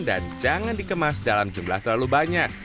dan jangan dikemas dalam jumlah terlalu banyak